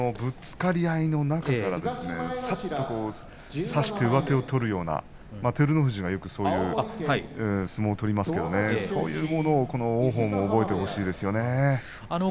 ぶつかり合いの中からさっと差して上手を取るような、照ノ富士はよくそういう相撲を取りますけれどそういうことをこの王鵬も覚えてほしいですね。